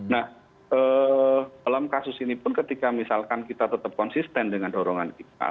nah dalam kasus ini pun ketika misalkan kita tetap konsisten dengan dorongan kita